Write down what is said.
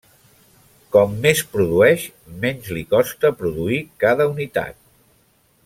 Com més produeix, menys li costa produir cada unitat.